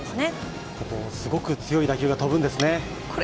ここすごく強い打球が飛ぶんですね。